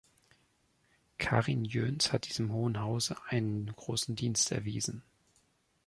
Karin Jöns hat diesem Hohen Hause einen großen Dienst erwiesen.